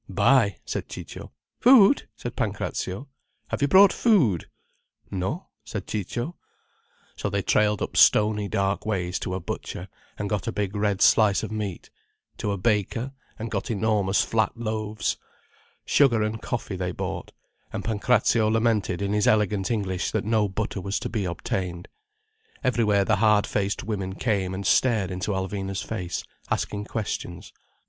"Buy?" said Ciccio. "Food," said Pancrazio. "Have you brought food?" "No," said Ciccio. So they trailed up stony dark ways to a butcher, and got a big red slice of meat; to a baker, and got enormous flat loaves. Sugar and coffee they bought. And Pancrazio lamented in his elegant English that no butter was to be obtained. Everywhere the hard faced women came and stared into Alvina's face, asking questions.